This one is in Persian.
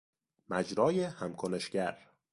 مجرای هم کنشگر